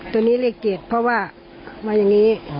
ตัวนี้เลข๗เพราะว่ามาอย่างนี้